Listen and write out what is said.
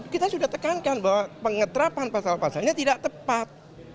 kita sudah tekankan bahwa pengeterapan pasal pasalnya tidak tepat